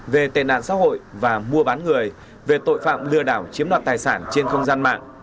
về tên nạn xã hội và mua bán người về tội phạm lừa đảo chiếm đoạt tài sản trên không gian mạng